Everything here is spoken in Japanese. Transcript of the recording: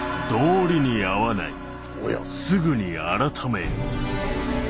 「すぐに改めよ」。